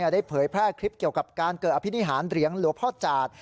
เผยแพร่คลิปเกี่ยวกับการเกิดอภินิหารเหรียญหลวงพ่อจาด